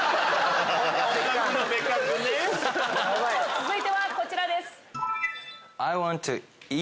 続いてはこちらです。